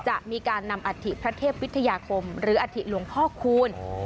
จะมีการนำอัฐิพระเทพวิทยาคมหรืออธิหลวงพ่อคูณ